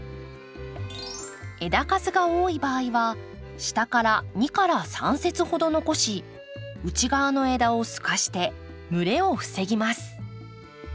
枝数が多い場合は下から２３節ほど残し内側の枝を透かして蒸れを防ぎます。